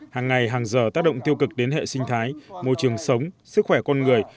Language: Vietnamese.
hàng ngày hàng giờ tác động tiêu cực đến hệ sinh thái môi trường sống sức khỏe con người